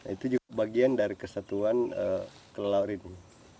itu juga bagian dari kesatuan kelelawar ini